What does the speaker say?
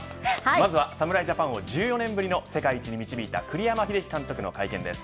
まずは侍ジャパンを１４年ぶりの世界一に導いた栗山英樹監督の会見です。